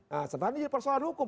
nah serta merta ini persoalan hukum